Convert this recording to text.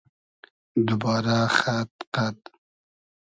دوبارۂ خئد قئد